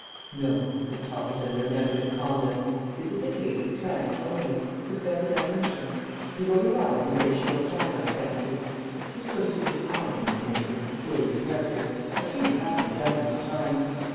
"No," said Toppleton, with an effort at calmness, "this is a case of trance only suspended animation. He will revive in a very short time, I fancy. This sort of thing is common among men of his peculiar character; I've seen it happen dozens of times.